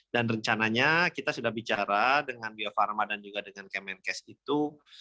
dan rencananya kita sudah bicara dengan bio farma dan juga dengan kemenkes itu